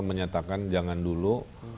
menyatakan jangan dulu